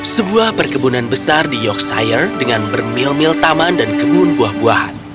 sebuah perkebunan besar di yorkshire dengan bermil mil taman dan kebun buah buahan